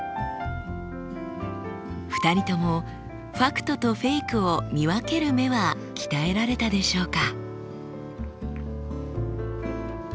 ２人ともファクトとフェイクを見分ける目は鍛えられたでしょうか。